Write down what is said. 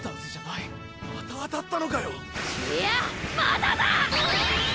いいやまだだ！